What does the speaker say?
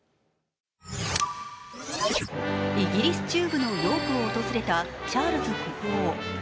イギリス中部のヨークを訪れたチャールズ国王。